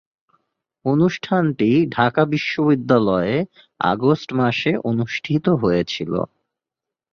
অনুষ্ঠানটি ঢাকা বিশ্ববিদ্যালয়ে আগস্ট মাসে অনুষ্ঠিত হয়েছিলো।